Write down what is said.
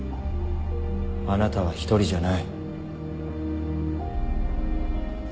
あなたは１人じゃない。